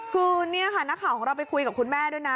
คือนี่ค่ะนักข่าวของเราไปคุยกับคุณแม่ด้วยนะ